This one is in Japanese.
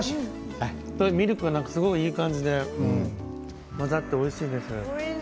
ミルクがいい感じで混ざっておいしいです。